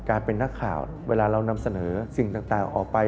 การเป็นนักข่าวเวลาเรานำเสนอสิ่งต่างออกไป